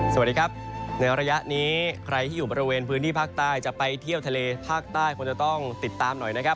สวัสดีครับในระยะนี้ใครที่อยู่บริเวณพื้นที่ภาคใต้จะไปเที่ยวทะเลภาคใต้ควรจะต้องติดตามหน่อยนะครับ